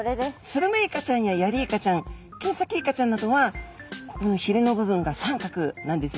スルメイカちゃんやヤリイカちゃんケンサキイカちゃんなどはここのひれの部分が三角なんですよね。